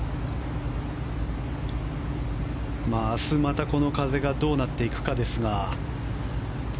明日、またこの風がどうなっていくかですが。